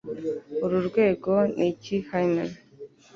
Uru rwego N'iki hymen